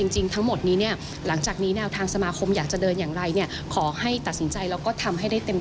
จริงทั้งหมดนี้นะหลังจากนี้นะ